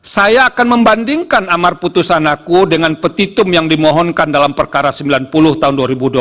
saya akan membandingkan amar putusan aku dengan petitum yang dimohonkan dalam perkara sembilan puluh tahun dua ribu dua puluh